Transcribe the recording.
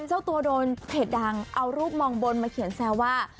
เจ้าตัวโดนเพจดังเอารูปมองบนมาเขียนแซวว่า